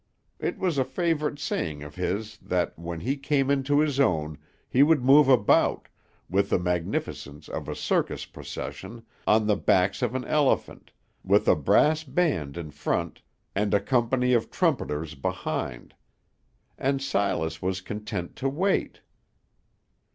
It was a favorite saying of his that when he "came into his own," he would move about, with the magnificence of a circus procession, on the back of an elephant, with a brass band in front and a company of trumpeters behind; and Silas was content to wait.